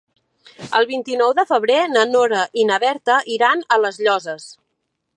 El vint-i-nou de febrer na Nora i na Berta iran a les Llosses.